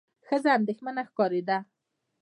ښځه اندېښمنه ښکارېده.